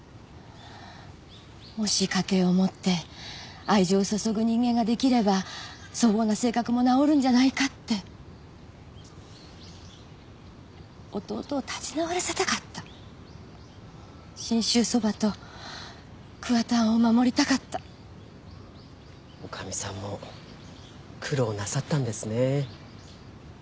もし家庭を持って愛情を注ぐ人間ができれば粗暴な性格も直るんじゃないかって弟を立ち直らせたかった信州そばと桑田庵を守りたかった女将さんも苦労なさったんですね